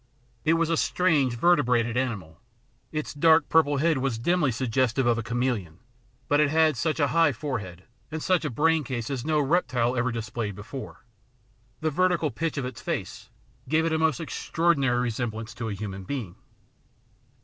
It was a strange vertebrated animal. Its dark purple head was dimly suggestive of a chameleon, but it had such a high forehead and such a brain case as no reptile ever displayed before ; the vertical pitch of its face gave it a most extraordinary resemb lance to a human being.